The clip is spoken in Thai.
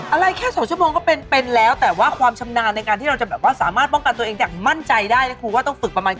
อะไรแค่๒ชั่วโมงก็เป็นเป็นแล้วแต่ว่าความชำนาญในการที่เราจะแบบว่าสามารถป้องกันตัวเองอย่างมั่นใจได้